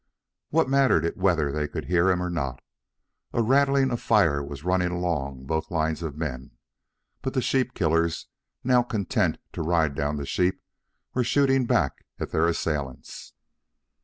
What mattered it whether they could hear him or not? A rattling fire was running along both lines of men. But the sheep killers, now content to ride down the sheep, were shooting back at their assailants.